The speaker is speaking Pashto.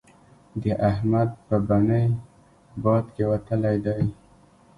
د احمد په بنۍ باد کېوتلی دی.